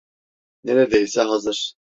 Neredeyse hazır.